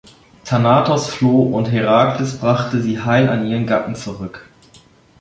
Thanatos floh und Herakles brachte sie heil an ihren Gatten zurück.